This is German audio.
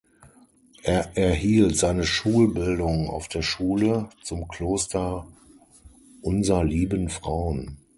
Er erhielt seine Schulbildung auf der Schule zum Kloster Unser Lieben Frauen.